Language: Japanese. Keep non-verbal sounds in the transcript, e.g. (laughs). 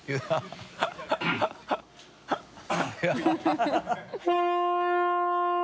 ハハハ (laughs)